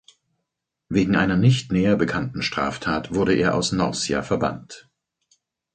Wegen einer nicht näher bekannten Straftat wurde er aus Norcia verbannt.